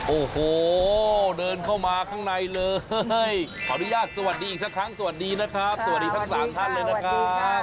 โอ้โหเดินเข้ามาข้างในเลยขออนุญาตสวัสดีอีกสักครั้งสวัสดีนะครับสวัสดีทั้ง๓ท่านเลยนะครับ